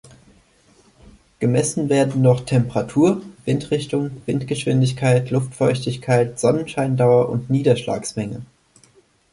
Gemessen werden dort Temperatur, Windrichtung, Windgeschwindigkeit, Luftfeuchtigkeit, Sonnenscheindauer und Niederschlagsmenge.